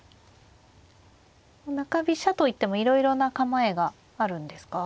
中飛車といってもいろいろな構えがあるんですか？